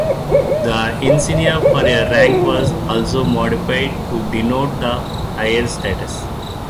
The insignia for the rank was also modified to denote the higher status.